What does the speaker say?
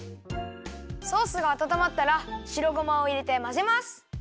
ソースがあたたまったらしろごまをいれてまぜます。